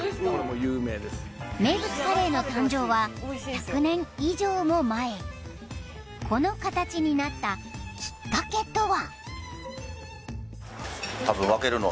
名物カレーの誕生は１００年以上も前この形になったきっかけとは？